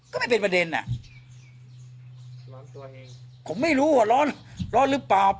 ไม่เป็นประเด็นอ่ะร้อนตัวเองผมไม่รู้ว่าร้อนร้อนหรือเปล่า